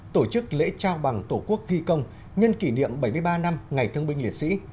tổ chức lễ trao bằng tổ quốc ghi công nhân kỷ niệm bảy mươi ba năm ngày thương binh liệt sĩ